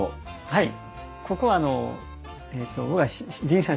はい。